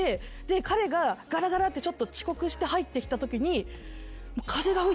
で彼がガラガラって遅刻して入ってきたときに。